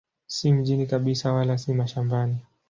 Si mjini kabisa wala si mashambani.